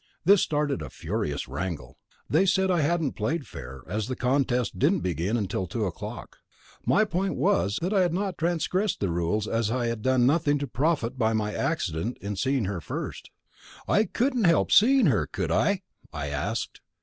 This started a furious wrangle. They said I hadn't played fair, as the contest didn't begin until two o'clock. My point was that I had not transgressed the rules as I had done nothing to profit by my accident in seeing her first. "I couldn't help seeing her, could I?" I asked.